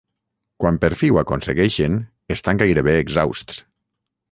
Quan per fi ho aconsegueixen, estan gairebé exhausts.